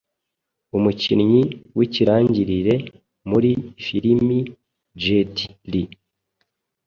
umukinnyi w'ikirangirire muri filime Jet Li